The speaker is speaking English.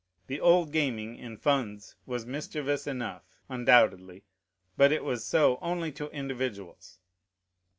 The old gaming in funds was mischievous enough, undoubtedly; but it was so only to individuals.